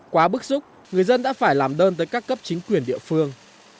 quá bức xúc người dân đã phải làm đơn tới các cấp chính quyền địa phương